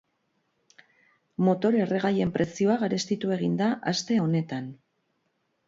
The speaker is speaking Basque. Motor-erregaien prezioa garestitu egin da aste honetan.